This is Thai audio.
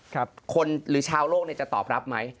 คนหรือชาวโลกจะตอบรับไหม